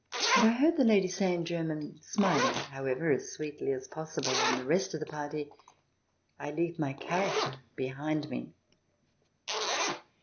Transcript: And I heard the lady say in German, smiling, however, as sweetly as possible on the rest of the party, I leave my character behind me."